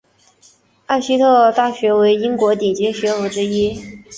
艾希特大学为英国顶尖学府之一。